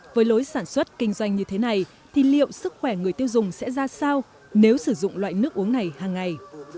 với lối sản xuất kinh doanh như thế này thì liệu sức khỏe người tiêu dùng sẽ ra sao nếu sử dụng loại nước uống này hàng ngày